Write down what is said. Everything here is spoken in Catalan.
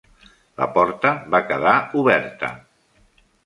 La porta va quedar oberta.